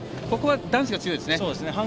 ここは男子が強いですね。